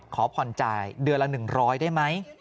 ขอผ่อนไจเตือนละ๑๐๐กมได้ไหม